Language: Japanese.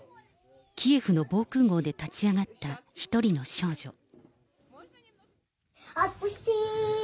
キエフの防空ごうで立ち上がった一人の少女。